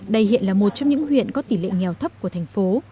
đây hiện là một trong những huyện có tỷ lệ nghèo thấp của thành phố